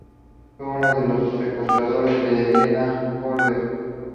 Fue uno de los secuestradores de Elena Holmberg.